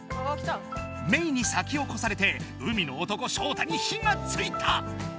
メイに先をこされて海の男ショウタに火がついた。